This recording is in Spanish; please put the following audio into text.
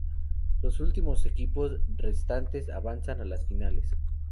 Los dos últimos equipos restantes avanzan a las Finales.